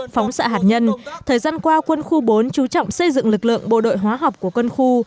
phóng xạ hạt nhân thời gian qua quân khu bốn chú trọng xây dựng lực lượng bộ đội hóa học của quân khu